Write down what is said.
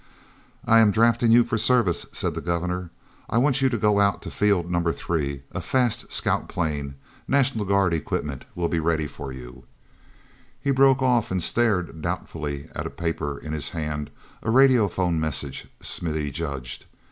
"I am drafting you for service," said the Governor. "I want you to go out to Field Number Three. A fast scout plane—National Guard equipment—will be ready for you—" He broke off and stared doubtfully at a paper in his hand, a radiophone message, Smithy judged.